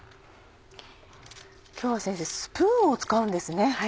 今日は先生スプーンを使うんですね。